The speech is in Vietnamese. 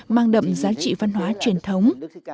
mang đậm giá trị văn hóa truyền thống